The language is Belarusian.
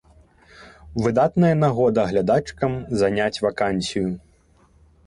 Выдатная нагода глядачкам заняць вакансію.